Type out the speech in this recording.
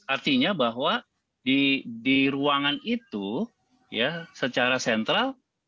artinya bahwa di ruangan itu ya secara sentral